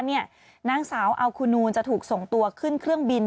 นางสาวอัลคูนูนจะถูกส่งตัวขึ้นเครื่องบิน